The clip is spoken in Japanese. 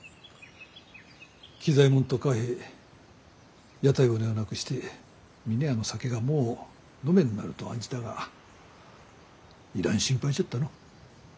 喜左衛門と嘉平屋台骨を亡くして峰屋の酒がもう飲めんなると案じたがいらん心配じゃったの。